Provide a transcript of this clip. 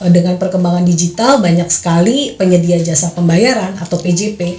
dengan perkembangan digital banyak sekali penyedia jasa pembayaran atau pjp